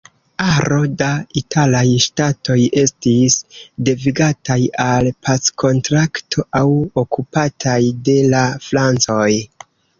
Aro da italaj ŝtatoj estis devigataj al packontrakto aŭ okupataj de la francoj.